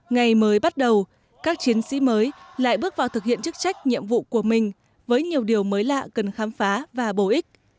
ngày mới bắt đầu các chiến sĩ mới lại bước vào thực hiện chức trách nhiệm vụ của mình với nhiều điều mới lạ cần khám phá và bổ ích